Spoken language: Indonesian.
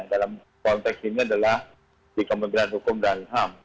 dalam konteks ini adalah di kementerian hukum dan ham